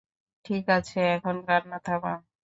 ঠিক আছে, এখন কান্না থামাও।